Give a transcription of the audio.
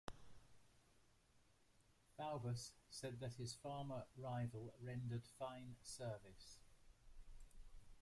Faubus said that his former rival rendered "fine service".